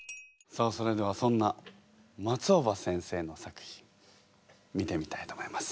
さあそれではそんな松尾葉先生の作品見てみたいと思います。